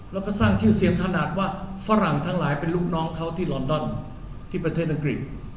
แล้วก็สร้างชื่อเสียงขนาดว่าฝรั่งทั้งหลายเป็นลูกน้องเขาที่ลอนดอนที่ประเทศอังกฤษ